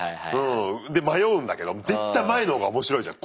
で迷うんだけど絶対前のほうが面白いじゃん